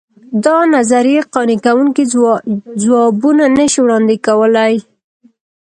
دا نظریې قانع کوونکي ځوابونه نه شي وړاندې کولای.